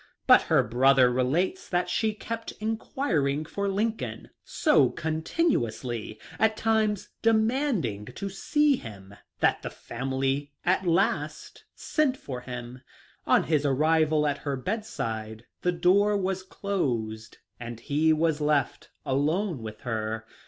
But her brother relates that she kept enquiring for Lincoln so continuously, at times demanding to see him, that the family at last sent for him. On his arrival at her bedside the door was closed and he was left alone with her.